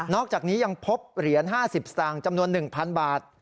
อกจากนี้ยังพบเหรียญ๕๐สตางค์จำนวน๑๐๐บาท